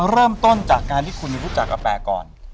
เริ่มต้นจากการที่คุณรู้จักกับแปก่อน